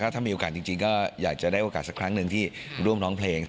ถ้ามีโอกาสจริงก็อยากจะได้โอกาสสักครั้งหนึ่งที่ร่วมร้องเพลง